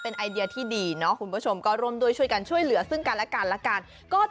เป็นไอเดียที่ดีเนอะคุณผู้ชมก็รมด้วยช่วยกันช่วยเหลือซึ่งการละการละการ